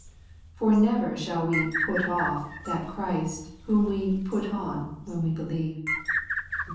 For never shall we put off that Christ whom we put on when we believed (Eom.